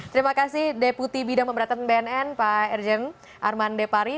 terima kasih deputi bidang pemberatan bnn pak erjen arman depari